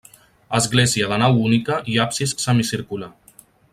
Església de nau única i absis semicircular.